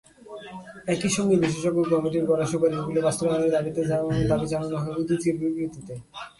একই সঙ্গে বিশেষজ্ঞ কমিটির করা সুপারিশগুলো বাস্তবায়নের দাবি জানানো হয় উদীচীর বিবৃতিতে।